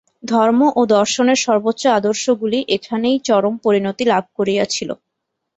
ধর্ম ও দর্শনের সর্বোচ্চ আদর্শগুলি এইখানেই চরম পরিণতি লাভ করিয়াছিল।